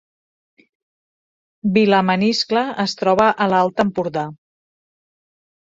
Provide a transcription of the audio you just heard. Vilamaniscle es troba a l’Alt Empordà